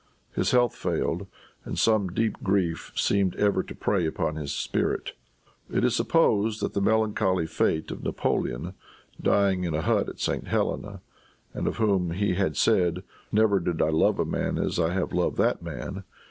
His health failed and some deep grief seemed ever to prey upon his spirits. It is supposed that the melancholy fate of Napoleon, dying in a hut at St. Helena, and of whom he had said, "Never did I love a man as I have loved that man!"